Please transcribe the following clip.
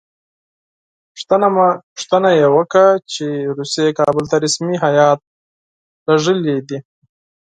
پوښتنه یې وکړه چې روسیې کابل ته رسمي هیات لېږلی دی.